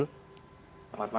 selamat malam pak hairul